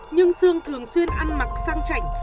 nhưng sương thường xuyên ăn mặc sang chảnh